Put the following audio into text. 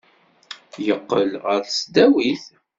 Yeqqel ɣer tesdawit.